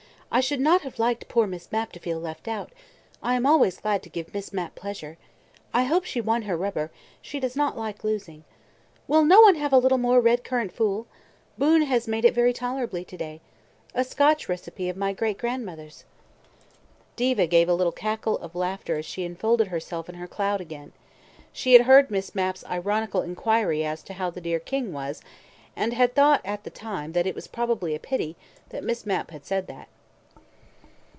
"I should not have liked poor Miss Mapp to feel left out; I am always glad to give Miss Mapp pleasure. I hope she won her rubber; she does not like losing. Will no one have a little more red currant fool? Boon has made it very tolerably to day. A Scotch recipe of my great grandmother's." Diva gave a little cackle of laughter as she enfolded herself in her cloud again. She had heard Miss Mapp's ironical inquiry as to how the dear King was, and had thought at the time that it was probably a pity that Miss Mapp had said that.